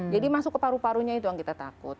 jadi masuk ke paru parunya itu yang kita takut